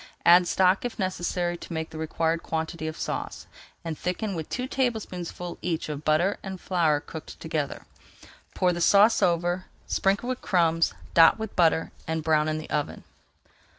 Add stock if necessary to make the required quantity of sauce, and thicken with two tablespoonfuls each of butter and flour cooked together. Pour the sauce over, sprinkle with crumbs, dot with butter, and brown in the oven.